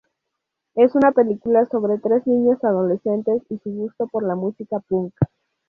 Es una película sobre tres niñas adolescentes y su gusto por la música punk.